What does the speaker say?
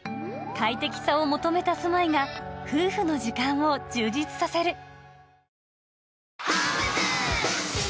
快適さを求めた住まいが夫婦の時間を充実させる